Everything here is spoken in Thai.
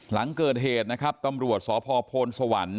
หลังเกิดเหตุนะครับตำรวจสพโพนสวรรค์